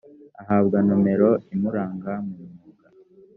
ahabwa nomero imuranga mu mwuga